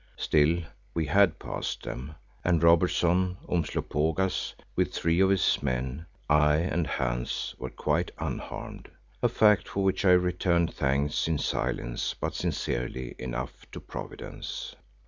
Still, we had passed them, and Robertson, Umslopogaas with three of his men, I and Hans were quite unharmed, a fact for which I returned thanks in silence but sincerely enough to Providence.